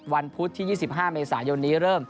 พุธที่๒๕เมษายนนี้เริ่ม